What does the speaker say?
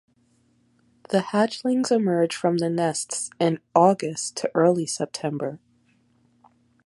The hatchlings emerge from the nests in August to early September.